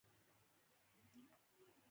که به بندي بېوزلی و نو بله لاره وه.